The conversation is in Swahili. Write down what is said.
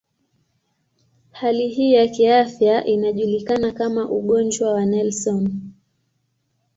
Hali hii ya kiafya inajulikana kama ugonjwa wa Nelson.